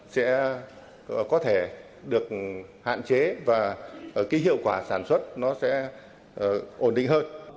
sẽ có thể được hạn chế và cái hiệu quả sản xuất nó sẽ ổn định hơn